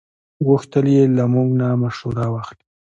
غوښتل یې له موږ نه مشوره واخلي.